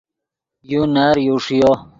یو نر یو ݰیو